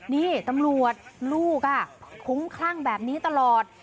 นี่ตำรวจลูกคุ้มคลั่งแบบนี้ตลอด